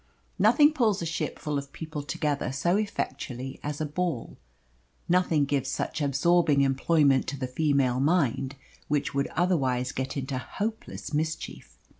Nothing pulls a ship full of people together so effectually as a ball. Nothing gives such absorbing employment to the female mind which would otherwise get into hopeless mischief.